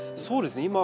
そうですね。